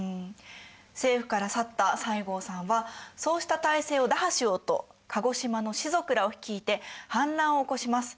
政府から去った西郷さんはそうした体制を打破しようと鹿児島の士族らを率いて反乱を起こします。